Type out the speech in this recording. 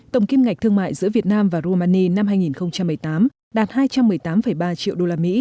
tổng kim ngạch thương mại giữa việt nam và rumani năm hai nghìn một mươi tám đạt hai trăm một mươi tám ba triệu usd